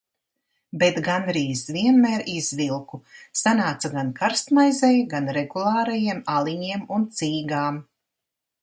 Bet gandrīz vienmēr izvilku, sanāca gan karstmaizei, gan regulārajiem aliņiem un cīgām.